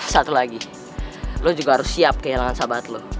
satu lagi lo juga harus siap kehilangan sahabat lo